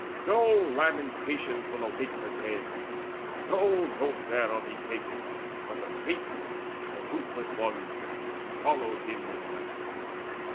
No lamentations will awake the dead; No note thereof he taketh, when the Fates, The ruthless ones, have swallowed him in night."